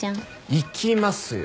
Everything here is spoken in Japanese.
行きますよ。